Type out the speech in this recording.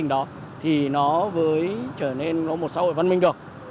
trong quá trình đó thì nó trở nên một xã hội văn minh được